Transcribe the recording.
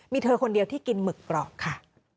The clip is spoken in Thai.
มีเธอคนเดียวที่กินหมึกกรอบค่ะ